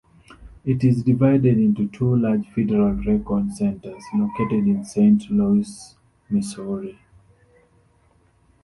It is divided into two large Federal Records Centers located in Saint Louis, Missouri.